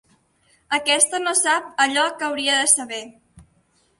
Aquesta no sap allò que hauria de saber.